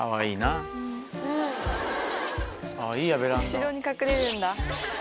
後ろに隠れるんだ。